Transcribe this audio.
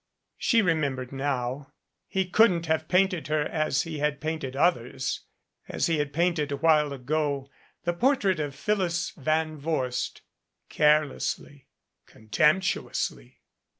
She remembered now he couldn't have painted her as he had painted others as he had painted a while ago the portrait of Phyllis Van Vorst carelessly, con temptuously.